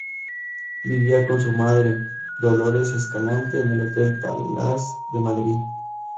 Vivía con su madre, Dolores Escalante, en el Hotel Palace de Madrid.